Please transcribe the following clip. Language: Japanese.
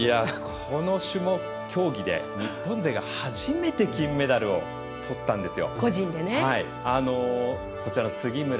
この種目、競技で日本勢が初めて金メダルをとったんですよ。